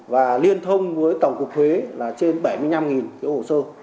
và liên thông với tổng cục thuế là trên bảy mươi năm cái hồ sơ